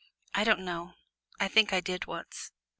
"I don't know I think I did once."